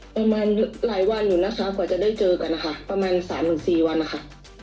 ประมาณหลายวันอยู่นะคะกว่าจะได้เจอกันนะคะประมาณ๓๔วันนะคะ